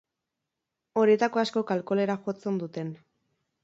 Horietako askok alkoholera jotzen duten.